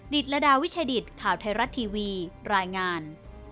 ดิดระดาววิชย์ดิดข่าวไทยรัตน์ทีวีรายงาน